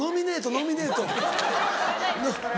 ノミネート。